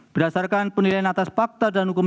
berdasarkan penilaian atas fakta dan hukum